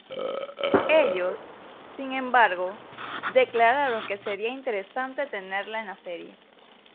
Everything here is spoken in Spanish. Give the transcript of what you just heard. Ellos, sin embargo, declararon que sería interesante tenerla en la serie.